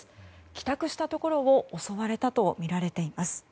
帰宅したところを襲われたとみられています。